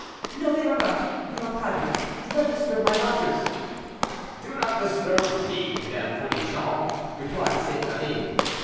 "No, they are not; they are private; do not disturb my lodgers." "Do not disturb me, Madame Fournichon," replied St. Maline.